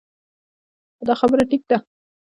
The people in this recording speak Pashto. دا خبره ټيک ده -